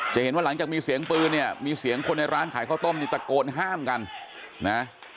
เห็นว่าหลังจากมีเสียงปืนเนี่ยมีเสียงคนในร้านขายข้าวต้มนี่ตะโกนห้ามกันนะ